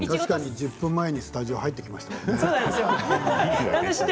確かに１０分前にスタジオ入ってきましたもんね。